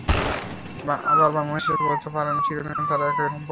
আবার বাংলাদেশও বলতে পারে না, চিরদিন তারা একই রকম প্রবাহ পাবে।